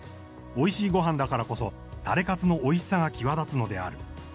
おいしいごはんだからこそ、タレかつのおいしさが際立つのである。